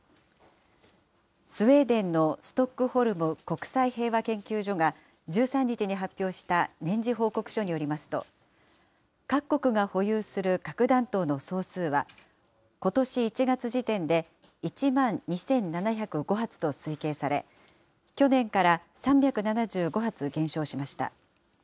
スウェーデンのストックホルム国際平和研究所が、１３日に発表した年次報告書によりますと、各国が保有する核弾頭の総数は、ことし１月時点で１万２７０５発と推計され、去年から３７５発減少しました。